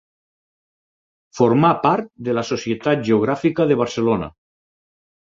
Formà part de la Societat Geogràfica de Barcelona.